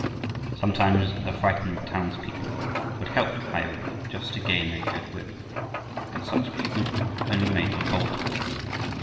Sometimes the frightened townspeople would help the highwaymen just to gain their good will, and such treatment only made them bolder.